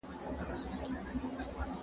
لږکي د خوندیتوب او ارام ژوند حق لري.